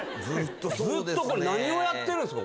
ずっと何をやってるんすか？